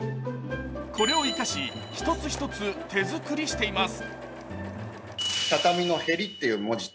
これを生かし、一つ一つ手作りしています。